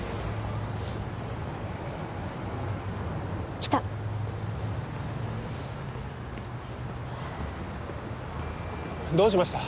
来たっどうしました？